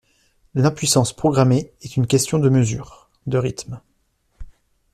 L’impuissance programmée est une question de mesure, de rythme.